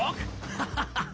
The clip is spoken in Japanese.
ハハハハ！